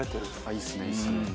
いいですねいいですね。